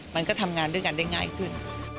มันก็ทำงานด้วยกันได้ง่ายขึ้น